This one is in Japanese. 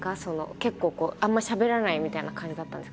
結構こうあんまりしゃべらないみたいな感じだったんですか？